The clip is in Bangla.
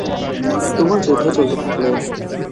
তুমুল যুদ্ধ চলতে থাকল।